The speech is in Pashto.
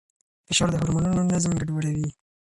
فشار د هورمونونو نظم ګډوډوي.